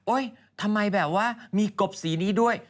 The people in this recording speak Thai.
ทำไมแบบว่ามีกบสีนี้ด้วย